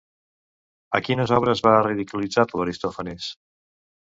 A quines obres va ridiculitzar-lo Aristòfanes?